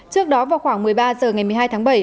trước đó vào khoảng một mươi ba h ngày một mươi hai tháng bảy